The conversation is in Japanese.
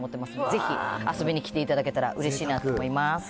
ぜひ、遊びに来ていただけたらうれしいなと思います。